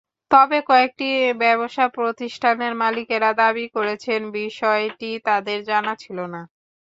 তবে কয়েকটি ব্যবসাপ্রতিষ্ঠানের মালিকেরা দাবি করেছেন, বিষয়টি তাঁদের জানা ছিল না।